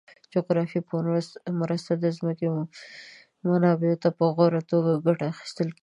د جغرافیه په مرسته د ځمکې منابعو څخه په غوره توګه ګټه اخیستل کیږي.